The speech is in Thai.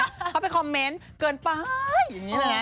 เขาไปคอมเมนต์เกินไปอย่างนี้ใช่ไหม